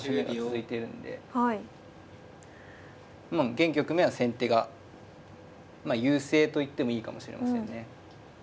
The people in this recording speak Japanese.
現局面は先手が優勢と言ってもいいかもしれませんね。